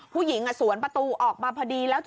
ผู้หญิงสวนประตูออกมาพอดีแล้ว